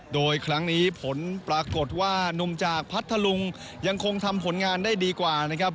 โดยครั้งนี้ผลปรากฏว่านุ่มจากพัทธลุงยังคงทำผลงานได้ดีกว่านะครับ